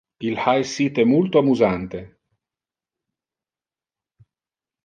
Il ha essite multo amusante.